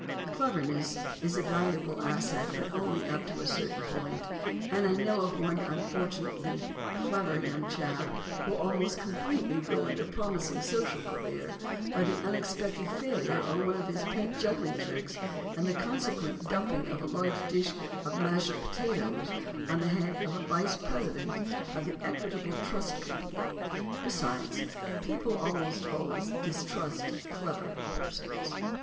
"Cleverness" is a valuable asset but only up to a certain point, and I know of one unfortunately "clever" young chap who almost completely ruined a promising social career by the unexpected failure of one of his pet juggling tricks and the consequent dumping of a large dish of mashed potatoes on the head of a vice president of the Equitable Trust Company. Besides, people almost always distrust "clever" persons.